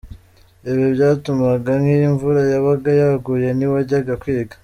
Ibi byatumaga nk’iyo imvura yabaga yaguye ntawajyaga kwiga.